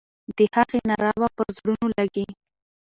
د هغې ناره به پر زړونو لګي.